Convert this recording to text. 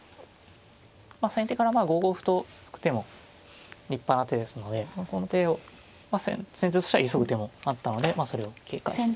まあ先手から５五歩と突く手も立派な手ですのでこの手を先手としては急ぐ手もあったのでそれを警戒してと。